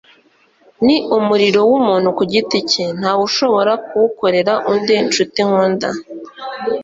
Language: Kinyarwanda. ni umurimo w'umuntu ku giti cye; nta wushobora kuwukorera undi. ncuti nkunda